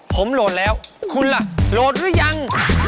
ผมโหลดแล้วคุณล่ะโหลดหรือยัง